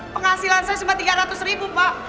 penghasilan saya cuma tiga ratus ribu pak